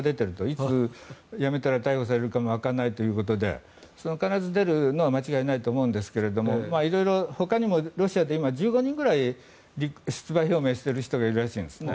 いつ、辞めたら逮捕されるかもわからないということで必ず、出るのは間違いないと思うんですが色々ほかにもロシアで今、１５人くらい出馬表明している人がいるらしいんですね。